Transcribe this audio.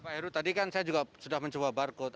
pak heru tadi kan saya juga sudah mencoba barcode